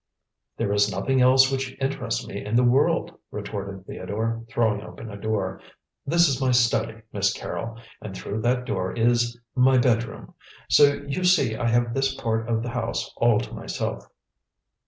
"There is nothing else which interests me in the world," retorted Theodore, throwing open a door. "This is my study, Miss Carrol, and through that door is my bedroom, so you see I have this part of the house all to myself."